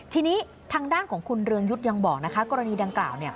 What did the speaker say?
ทีนี้ทางด้านของคุณเรืองยุทธ์ยังบอกนะคะกรณีดังกล่าว